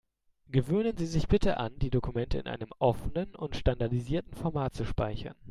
Gewöhnen Sie sich bitte an, die Dokumente in einem offenen und standardisierten Format zu speichern.